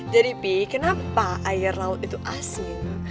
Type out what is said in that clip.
jadi pi kenapa air laut itu asin